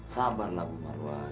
sabarlah bu marwan